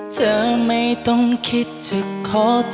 เธอไม่ต้องคิดจะขอเธอ